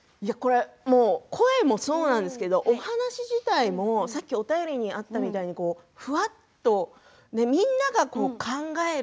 声もそうなんですけどお話自体もさっき、お便りにあったみたいにふわっと、みんなが考える